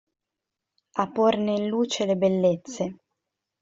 A porne in luce le bellezze.